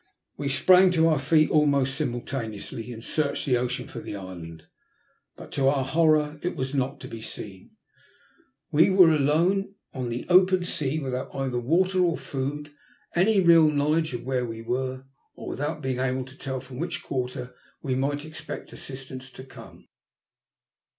We sprang to our feet almost simul taneously, and searched the ocean for the island. But to our horror it was not to be seen. We tcere alone on the open tea without either water or food, any real knowledge of where we were, or witlumt being able to tell from which quarter we might expect assistance to come.